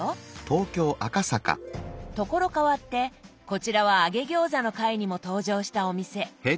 所変わってこちらは揚げ餃子の回にも登場したお店。